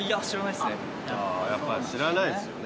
ああやっぱ知らないんすよね。